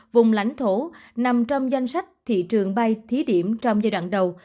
vùng lãnh thổ nằm trong danh sách thị trường bay thí điểm trong giai đoạn đầu